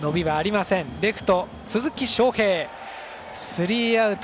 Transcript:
スリーアウト。